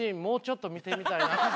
もうちょっと見てみたいな。